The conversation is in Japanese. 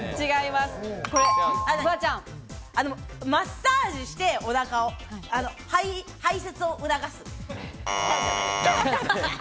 マッサージしておなかを排せつを促す。